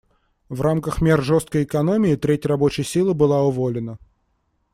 В рамках мер жесткой экономии треть рабочей силы была уволена.